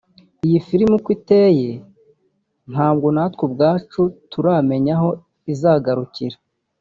Iyi film uko iteye ntabwo natwe ubwacu turamenya aho izagarukira